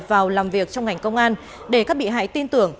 vào làm việc trong ngành công an để các bị hại tin tưởng